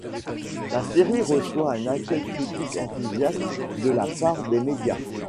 La série reçoit un accueil critique enthousiaste de la part des médias.